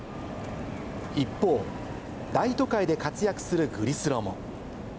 一方、大都会で活躍するグリスロも。